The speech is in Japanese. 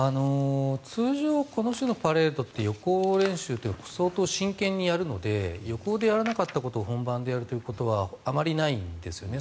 通常この種のパレードって予行演習というのを相当、真剣にやるので予行でやらなかったことを本番でやるということはあまりないんですよね。